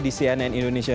di cnn indonesia